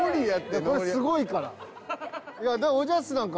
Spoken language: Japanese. これすごいから。